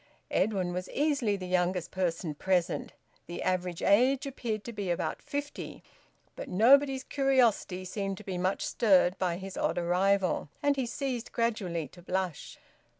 Edwin was easily the youngest person present the average age appeared to be about fifty but nobody's curiosity seemed to be much stirred by his odd arrival, and he ceased gradually to blush.